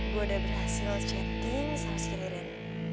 gue udah berhasil chatting sama si ririn